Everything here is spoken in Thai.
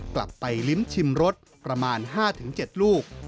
กลับไปลิ้มชิมรสประมาณ๕๗ลูก